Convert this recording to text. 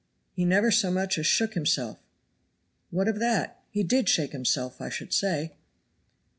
"He never so much as shook himself." "What of that? He did shake himself, I should say."